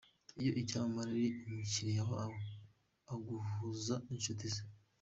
Iyo icyamamare ari umukiriya wawe, aguhuza n’inshuti ze.